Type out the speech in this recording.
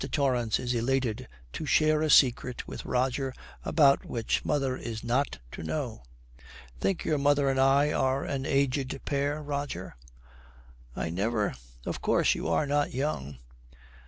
Torrance is elated to share a secret with Roger about which mother is not to know. 'Think your mother and I are an aged pair, Roger?' 'I never of course you are not young.'